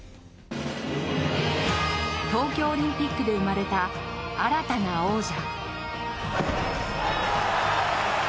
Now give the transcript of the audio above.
東京オリンピックで生まれた新たな王者。